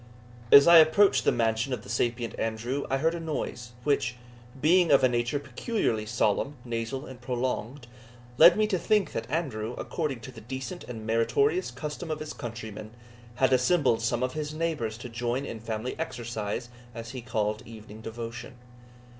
As I approached the mansion of the sapient Andrew, I heard a noise, which, being of a nature peculiarly solemn, nasal, and prolonged, led me to think that Andrew, according to the decent and meritorious custom of his countrymen, had assembled some of his neighbours to join in family exercise, as he called evening devotion.